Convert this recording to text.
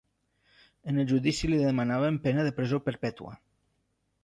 En el judici li demanaven pena de presó perpètua.